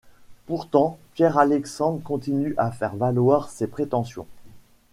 Pourtant, Pierre Alexandre continue à faire valoir ses prétentions.